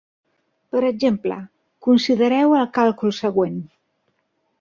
Per exemple, considereu el càlcul següent.